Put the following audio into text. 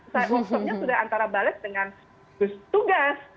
saya usungnya sudah antara bales dengan gugus tugas